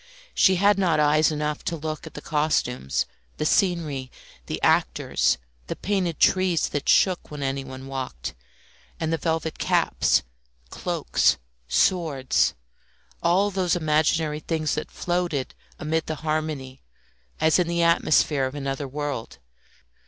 She had not eyes enough to look at the costumes, the scenery, the actors, the painted trees that shook when anyone walked, and the velvet caps, cloaks, swords all those imaginary things that floated amid the harmony as in the atmosphere of another world.